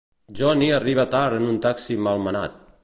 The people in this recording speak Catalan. Johnny arriba tard en un taxi malmenat.